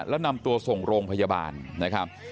แล้วนำตัวส่งโรงพยาบาลนะครับ